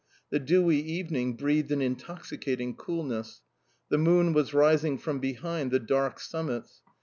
The dewy evening breathed an intoxicating coolness. The moon was rising from behind the dark summits.